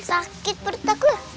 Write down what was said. sakit perut aku